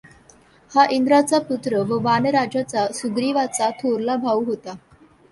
हा इंद्राचा पुत्र व वानरराज सुग्रीवाचा थोरला भाऊ होता.